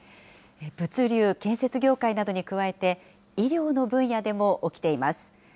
物流・建設業界などに加えて、医療の分野でも起きています。